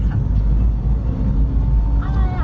เดี๋ยวมันต้องตัดหน้า